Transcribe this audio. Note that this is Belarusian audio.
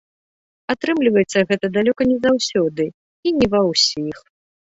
Атрымліваецца гэта далёка не заўсёды і не ва ўсіх.